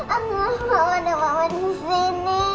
aku gak mau gak mau di sini